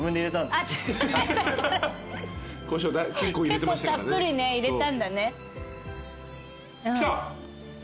結構たっぷり入れたんだね。来た！